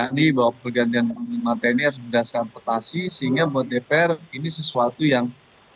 ini bahwa pergantian panglima tni harus berdasarkan petasi sehingga buat dpr ini sesuatu yang